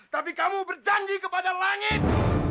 tapi kamu berjanji kepada langit